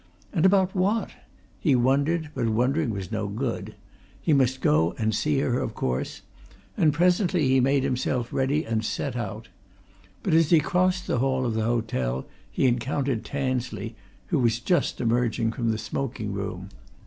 And about what? He wondered, but wondering was no good. He must go and see her of course; and presently he made himself ready and set out. But as he crossed the hall of the hotel he encountered Tansley, who was just emerging from the smoking room.